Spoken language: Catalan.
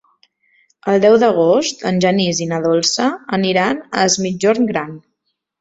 El deu d'agost en Genís i na Dolça aniran a Es Migjorn Gran.